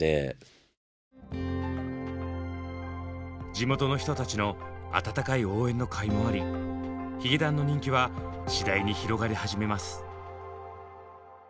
地元の人たちの温かい応援のかいもありヒゲダンの人気は次第に広がり始めます。